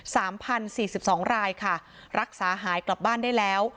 สามพันสี่สิบสองรายค่ะรักษาหายกลับบ้านได้แล้ว